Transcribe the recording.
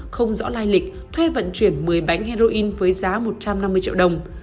không rõ lai lịch thuê vận chuyển một mươi bánh heroin với giá một trăm năm mươi triệu đồng